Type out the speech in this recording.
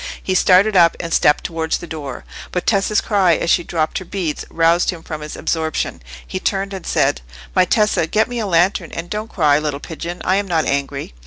He started up, and stepped towards the door; but Tessa's cry, as she dropped her beads, roused him from his absorption. He turned and said— "My Tessa, get me a lantern; and don't cry, little pigeon, I am not angry."